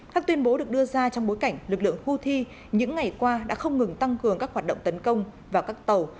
các tuyên bố được đưa ra trong bối cảnh lực lượng houthi những ngày qua đã không ngừng tăng cường các hoạt động tấn công vào các tàu